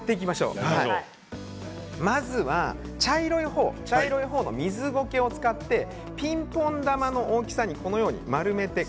まずは茶色い方の水ゴケを使ってピンポン球の大きさにこのように丸めて。